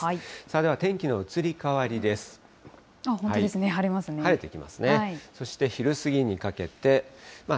では天気の移り変わりです。